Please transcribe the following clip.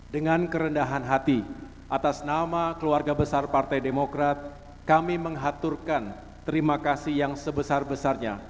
dengan kerendahan hati atas nama keluarga besar partai demokrat kami mengaturkan terima kasih yang sebesar besarnya